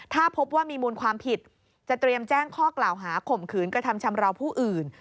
ถ้าพบว่ามีมูลความผิดจะเตรียมแจ้งข้อกล่าวหาข่มขืนกระทำชำราวผู้อื่น